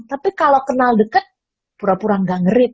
tapi kalau kenal deket pura pura gak ngerit